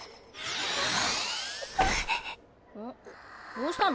どうしたの？